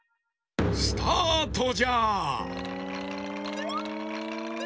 スタートじゃ！